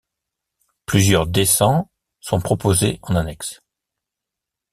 Plusieurs descends sont proposés en annexe.